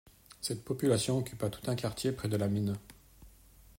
Cette population occupa tout un quartier près de la mine.